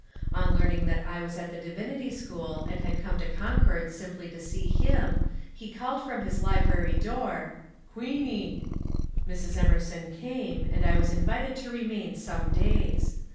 On learning that I was at the Divinity School and had come to Concord simply to see him, he called from his library door, ^^Queenyl *' Mrs. Emerson came, and I was invited to remain some days.